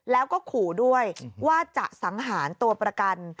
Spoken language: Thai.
แล้วก็ขู่ด้วยว่าจะสังหารตัวประกัน